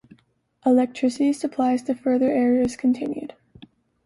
Electricity supplies to further areas continued.